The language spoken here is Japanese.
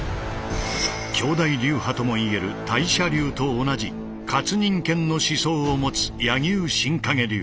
兄弟流派とも言えるタイ捨流と同じ活人剣の思想を持つ柳生新陰流。